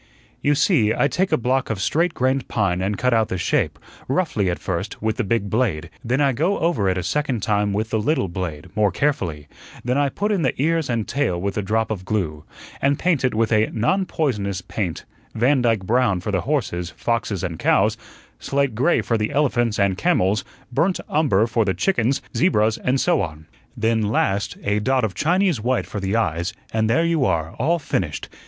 "You see, I take a block of straight grained pine and cut out the shape, roughly at first, with the big blade; then I go over it a second time with the little blade, more carefully; then I put in the ears and tail with a drop of glue, and paint it with a 'non poisonous' paint Vandyke brown for the horses, foxes, and cows; slate gray for the elephants and camels; burnt umber for the chickens, zebras, and so on; then, last, a dot of Chinese white for the eyes, and there you are, all finished.